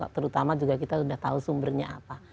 terutama juga kita sudah tahu sumbernya apa